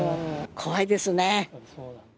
怖いですね。